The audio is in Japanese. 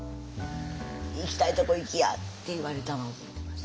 行きたいとこ行きや！」って言われたの覚えてます。